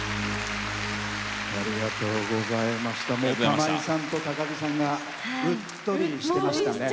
玉井さんと高城さんがうっとりしてましたね。